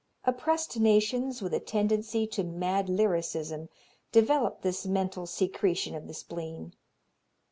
Oppressed nations with a tendency to mad lyrism develop this mental secretion of the spleen.